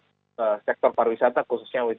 dampak positif pada sektor pariwisata khususnya mancanegara